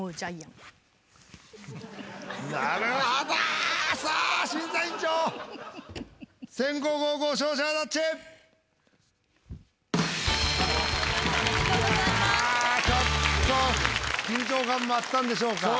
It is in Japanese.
いやちょっと緊張感もあったんでしょうか。